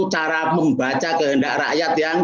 cara membaca kehendak rakyat yang